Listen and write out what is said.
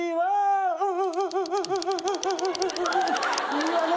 いいわね。